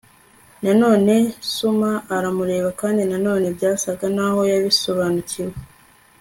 na none, xuma aramureba. kandi na none, byasaga naho yabisobanukiwe